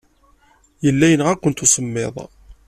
Yella yenɣa-kent usemmiḍ.